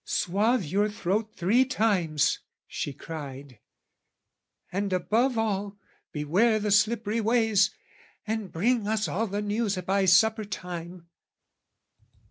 Swathe your throat three times!" she cried, "And, above all, beware the slippery ways, "And bring us all the news by supper time!"